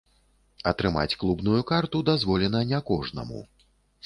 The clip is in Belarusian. Атрымаць клубную карту дазволена не кожнаму.